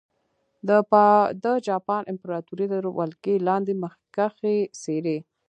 د جاپان امپراتورۍ تر ولکې لاندې مخکښې څېرې.